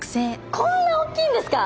こんなおっきいんですか！？